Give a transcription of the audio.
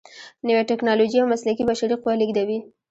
نوې ټیکنالوجې او مسلکي بشري قوه لیږدوي.